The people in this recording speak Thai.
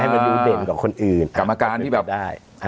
ให้มันดูเด่นกับคนอื่นอ่ากรรมการที่แบบอ่า